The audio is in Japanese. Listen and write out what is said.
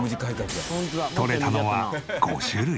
とれたのは５種類。